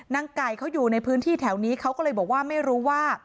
นางไก่เขาอยู่ในพื้นที่แถวนี้เขาก็เลยบอกว่าไม่รู้ว่า